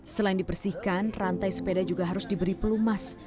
selain dibersihkan rantai sepeda juga harus diberi pelumas